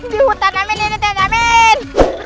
di hutan amin